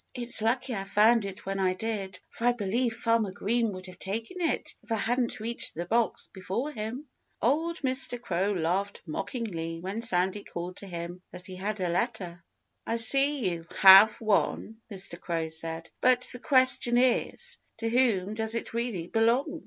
It's lucky I found it when I did, for I believe Farmer Green would have taken it if I hadn't reached the box before him." Old Mr. Crow laughed mockingly when Sandy called to him that he had a letter. "I see you have one," Mr. Crow said. "But the question is, to whom does it really belong?